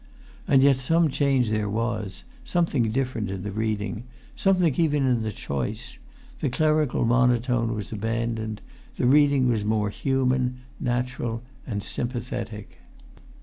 And yet some change there was, something different in the reading, something even in the voice; the clerical monotone was abandoned, the reading was more human, natural, and sympathetic.